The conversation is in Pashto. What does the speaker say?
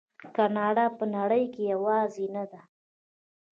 کاناډا په نړۍ کې یوازې نه ده.